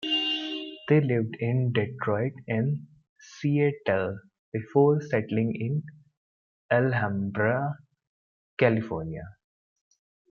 They lived in Detroit and Seattle before settling in Alhambra, California.